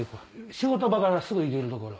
仕事場からすぐ行ける所。